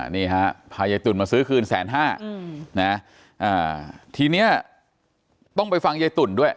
นี่ฮะพายายตุ๋นมาซื้อคืนแสนห้านะทีนี้ต้องไปฟังยายตุ่นด้วย